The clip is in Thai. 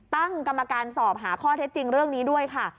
ตั้งกรรมการสอบหาข้อเท็จจริงเรื่องนี้ด้วยค่ะ